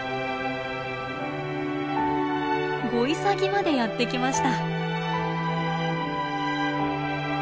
ゴイサギまでやって来ました。